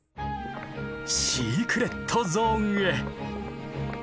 シークレットゾーンへ！